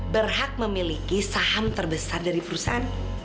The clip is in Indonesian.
berhak memiliki saham terbesar dari perusahaan